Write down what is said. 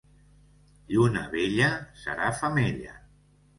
Lluna vella, serà femella.